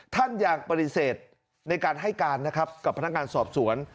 ท่านยังปฏิเสธในการให้การนะครับกับพนักงานสอบสวน